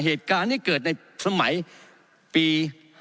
เหตุการณ์ที่เกิดในสมัยปี๕๗